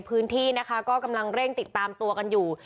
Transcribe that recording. พื้นที่นะคะก็กำลังเร่งติดตามตัวกันอยู่